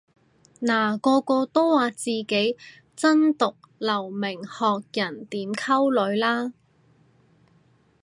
嗱個個都話自己真毒留名學人點溝女啦